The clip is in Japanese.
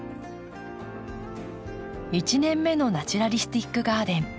１年目のナチュラリスティックガーデン。